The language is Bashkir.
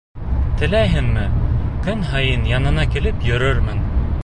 Теләйһеңме, көн һайын яныңа килеп йөрөрмөн.